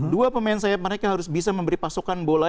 dua pemain sayap mereka harus bisa memberi pasokan bola